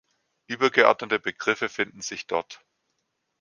Übergeordnete Begriffe finden sich dort.